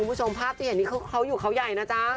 คุณผู้ชมภาพจะเห็นที่เขาอยู่เขาใหญ่นะจ้า